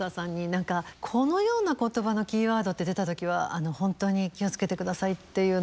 何かこのような言葉のキーワードって出た時は本当に気を付けてくださいっていうのってないんですか？